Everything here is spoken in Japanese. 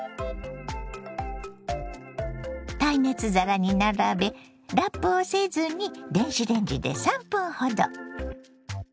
耐熱皿に並べラップをせずに電子レンジで３分ほど。